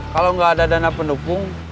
kalau nggak ada dana pendukung